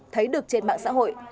thấy được trên mạng xã hội